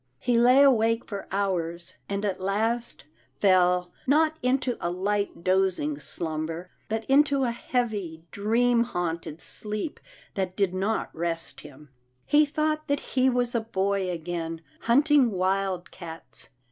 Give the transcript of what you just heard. He lay awake for hours, and at last fell, not into a light dozing slumber, but into a heavy, dream haunted sleep that did not rest him. He thought that he was a boy again, hunting wildcats.